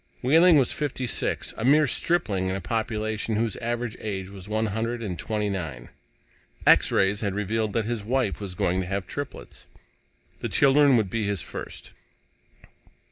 Wehling was fifty six, a mere stripling in a population whose average age was one hundred and twenty nine. X rays had revealed that his wife was going to have triplets. The children would be his first.